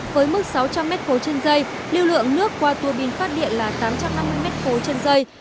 với mức sáu trăm linh m ba trên dây lưu lượng nước qua tua bin phát điện là tám trăm năm mươi m ba trên dây